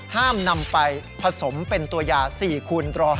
ซึ่งนำไปผสมเป็นตัวยา๔คูณร้อย